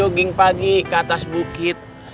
jogging pagi ke atas bukit